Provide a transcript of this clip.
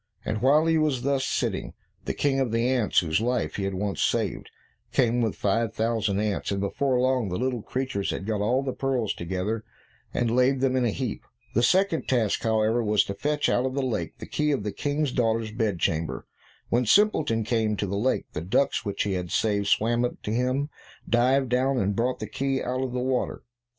And while he was thus sitting, the King of the ants whose life he had once saved, came with five thousand ants, and before long the little creatures had got all the pearls together, and laid them in a heap. The second task, however, was to fetch out of the lake the key of the King's daughter's bed chamber. When Simpleton came to the lake, the ducks which he had saved, swam up to him, dived down, and brought the key out of the water.